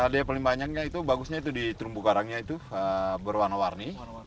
dia paling banyaknya itu bagusnya itu di terumbu karangnya itu berwarna warni